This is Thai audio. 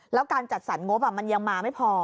แล้วการจัดสรรงบมันยังมาไม่พอ